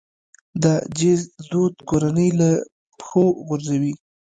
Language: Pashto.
د جهیز دود کورنۍ له پښو غورځوي.